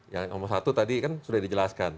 yang nomor satu tadi kan sudah dijelaskan